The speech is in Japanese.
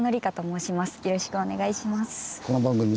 よろしくお願いします。